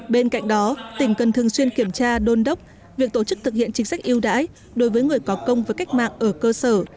bên cạnh đó tỉnh cần thường xuyên kiểm tra đôn đốc việc tổ chức thực hiện chính sách yêu đãi đối với người có công với cách mạng ở cơ sở